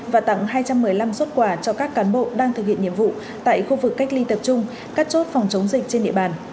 và tặng hai trăm một mươi năm xuất quà cho các cán bộ đang thực hiện nhiệm vụ tại khu vực cách ly tập trung các chốt phòng chống dịch trên địa bàn